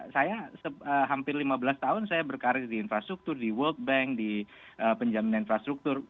saya hampir lima belas tahun saya berkarir di infrastruktur di world bank di penjaminan infrastruktur